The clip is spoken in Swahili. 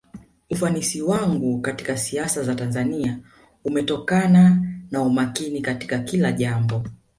ufanisi wangu katika siasa za tanzania umetokana na umakini katika kila jambo